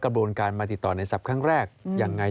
กระบวนการมาติดต่อในศัพท์ครั้งแรกยังไง